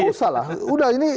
gak usah lah